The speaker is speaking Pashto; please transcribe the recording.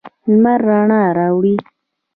لمر رڼا راوړي.